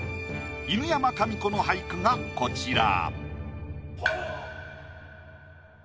犬山紙子の俳句がこちら。